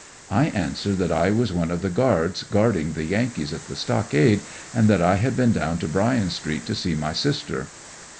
I answered that I was one of the guards guarding the Yankees at the stockade, and that I had been down to Bryan street to see my sister.